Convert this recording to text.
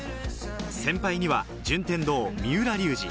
先輩には順天堂・三浦龍司。